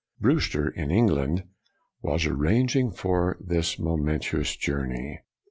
Brewster, in England, was arranging for this momentous journey.